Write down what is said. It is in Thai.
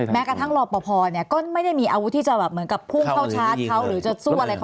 แม้กระทั่งรอป่าเนี่ยก็ไม่ได้มีอาวุธที่จะแบบเหมือนกับพุ่งเข้าชาร์จเขา